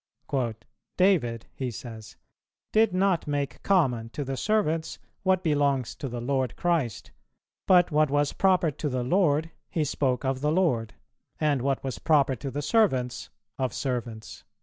"David," he says, "did not make common to the servants what belongs to the Lord[289:1] Christ, but what was proper to the Lord he spoke of the Lord, and what was proper to the servants, of servants."